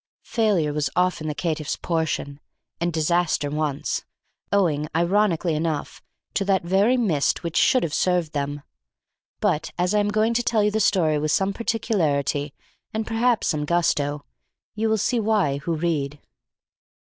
Failure was often the caitiffs' portion, and disaster once; owing, ironically enough, to that very mist which should have served them. But as I am going to tell the story with some particularity, and perhaps some gusto, you will see why who read.